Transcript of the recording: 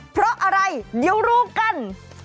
เพราะอะไรเดี๋ยวรู้กัน